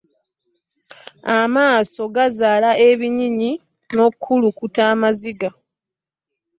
Amaaso gazaala ebinyinyi nokulukuta amaziga.